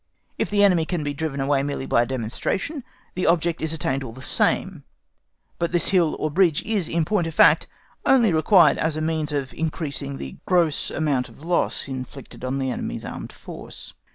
If the enemy can be driven away merely by a demonstration, the object is attained all the same; but this hill or bridge is, in point of fact, only required as a means of increasing the gross amount of loss inflicted on the enemy's armed force.